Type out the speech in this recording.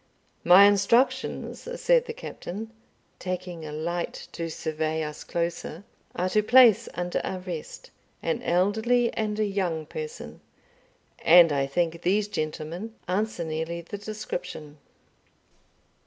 "My instructions." said the Captain, taking a light to survey us closer, "are to place under arrest an elderly and a young person and I think these gentlemen answer nearly the description."